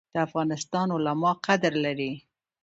د افغانستان علما قدر لري